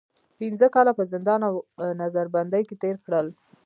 پنځه کاله په زندان او نظر بندۍ کې تېر کړل.